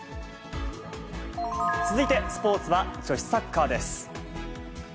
続いてスポーツは女子サッカーです。